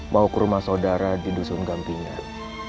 mau ke rumah saudara di dusun gampingan